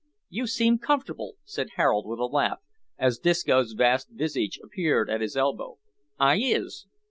"You seem comfortable," said Harold, with a laugh, as Disco's vast visage appeared at his elbow. "I is."